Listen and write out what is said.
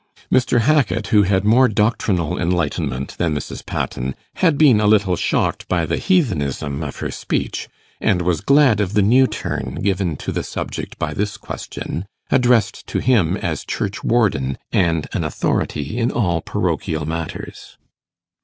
Mr. Hackit, who had more doctrinal enlightenment than Mrs. Patten, had been a little shocked by the heathenism of her speech, and was glad of the new turn given to the subject by this question, addressed to him as churchwarden and an authority in all parochial matters.